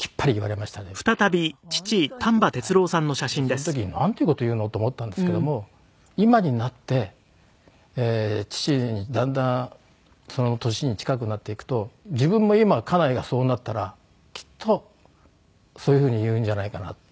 その時になんていう事を言うの？と思ったんですけども今になって父にだんだんその年に近くなっていくと自分も今家内がそうなったらきっとそういうふうに言うんじゃないかなって。